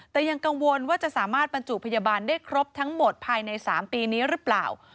แต่ยังกังวลว่าจะสามารถบรรจุพยาบาลได้ครบทั้งหมดภายใน๓ปีนี้หรือเปล่า